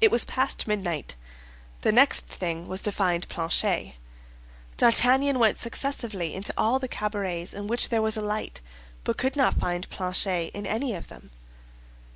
It was past midnight; the next thing was to find Planchet. D'Artagnan went successively into all the cabarets in which there was a light, but could not find Planchet in any of them.